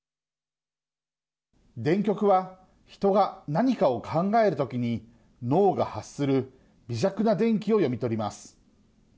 電極は、人が何かを考えるときに脳が発する微弱な電気を読み取ります。